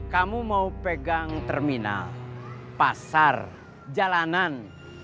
kamu mau pegang terminal pasar jalanan